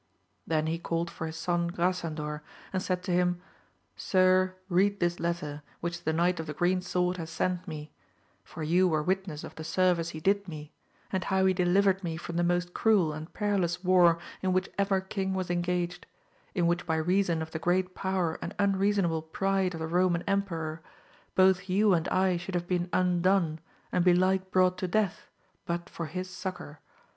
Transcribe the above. Then he called for his son Griasandor and said to him, Sir, read this letter, which the knight of the green sword hath sent me, for you were witness of the service he did me,,^d how he delivered me from the most cruel and perilous war in which ever king was engaged, in which by reason of the great powei* and unreasonable pride of the Roman Emperor, both you and I should have been undone and belike brought to death but for his succour.